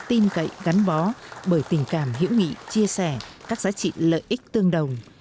tin cậy gắn bó bởi tình cảm hiểu nghĩ chia sẻ các giá trị lợi ích tương đồng